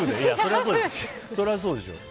そりゃそうでしょ。